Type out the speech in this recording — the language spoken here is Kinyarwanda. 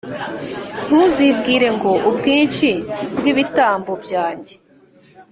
Ntuzibwire ngo «Ubwinshi bw’ibitambo byanjye